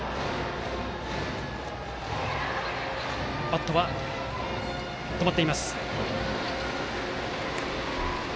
バットは止まっています。